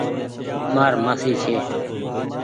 مآر مآسي ڇي۔